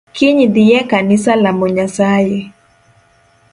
Kiny dhiye kanisa lamo nyasaye.